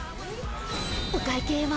お会計は。